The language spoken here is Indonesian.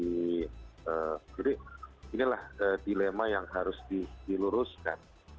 jadi inilah dilema yang harus diluruskan